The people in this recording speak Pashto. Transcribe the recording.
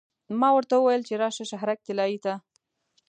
ما ورته وویل چې راشه شهرک طلایې ته.